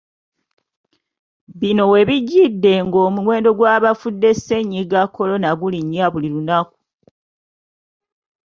Bino we bijjidde ng’omuwendo gy’abafudde ssennyiga Corona gulinnya buli lunaku.